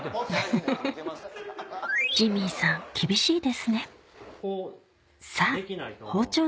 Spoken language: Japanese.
フフフフフジミーさん厳しいですね